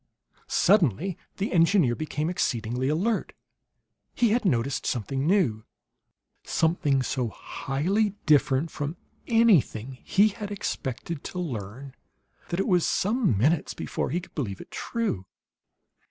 Suddenly the engineer became exceedingly alert. He had noticed something new something so highly different from anything he had expected to learn that it was some minutes before he could believe it true.